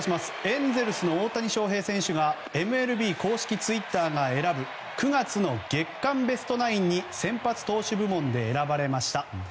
エンゼルスの大谷翔平選手がＭＬＢ公式ツイッターが選ぶ９月の月間ベストナインに先発投手部門で選ばれました。